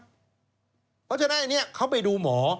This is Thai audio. เพราะฉะนั้นเขาไปดูหมอ